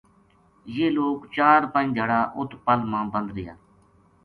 یہ لوک چار پنج دھیاڑا اُت پَل ما بند رہیا